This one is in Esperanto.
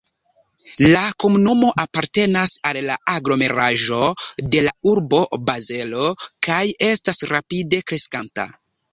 La komunumo apartenas al la aglomeraĵo de la urbo Bazelo kaj estas rapide kreskanta.